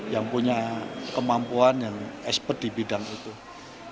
yang punya kemampuan yang expert di bidang itu